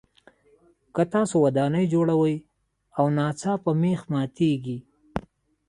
که تاسو ودانۍ جوړوئ او ناڅاپه مېخ ماتیږي.